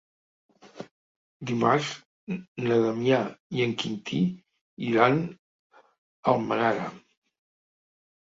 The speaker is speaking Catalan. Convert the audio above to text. Dimarts na Damià i en Quintí iran a Almenara.